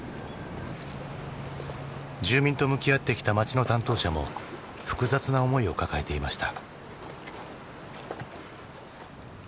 住民と向き合ってきた町の担当者も複雑な思いを抱えていました。